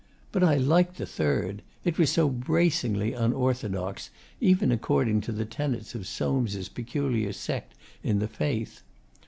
But I liked the third: it was so bracingly unorthodox, even according to the tenets of Soames' peculiar sect in the faith.